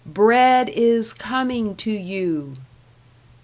BREAD IS COMING TO YOU!!!"